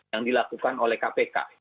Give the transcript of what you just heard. yang dilakukan oleh kpk